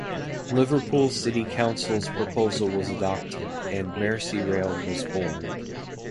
Liverpool City Council's proposal was adopted and Merseyrail was born.